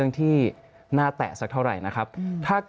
สิ่งที่ประชาชนอยากจะฟัง